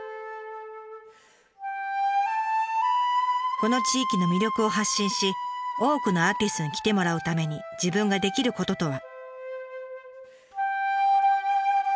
この地域の魅力を発信し多くのアーティストに来てもらうために自分ができることとは。